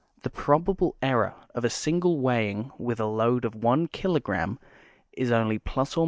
The probable error of a single weighing with a load of one kilogramme is only ± 0"*.